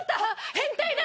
変態だ！